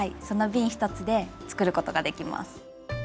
そのびん１つで作ることができます。